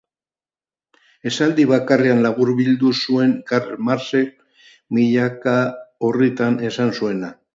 Esaldi bakarrean laburbildu zuen Karl Marxek milaka orritan esan zuena.